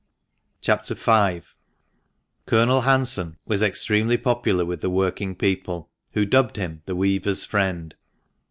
CHAP. V. — COLONEL HANSON was extremely popular with the working people, who dubbed him " the weavers' friend."